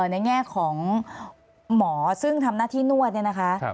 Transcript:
ในแง่ของหมอซึ่งทำหน้าที่นวดเนี่ยนะคะ